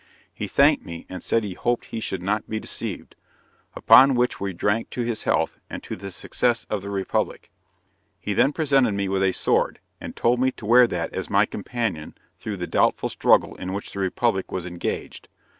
He thanked me, and said he hoped he should not be deceived; upon which we drank to his health and to the success of the Republic. He then presented me with a sword, and told me to wear that as my companion through the doubtful struggle in which the republic was engaged.